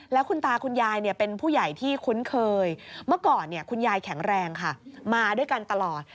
แล้วคุณตาคุณยายเป็นผู้ใหญ่ที่คุ้นเคยเมื่อก่อนคุณยายแข็งแรงค่ะมาด้วยกันตลอด